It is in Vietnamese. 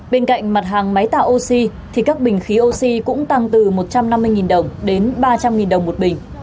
bên cạnh mặt hàng máy tạo oxy thì các bình khí oxy cũng tăng từ một trăm năm mươi đồng đến ba trăm linh đồng một bình